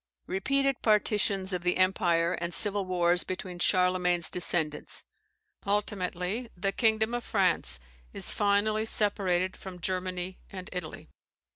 Repeated partitions of the empire and civil wars between Charlemagne's descendants. Ultimately, the kingdom of France is finally separated from Germany and Italy.